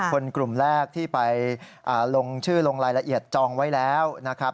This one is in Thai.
คนกลุ่มแรกที่ไปลงชื่อลงรายละเอียดจองไว้แล้วนะครับ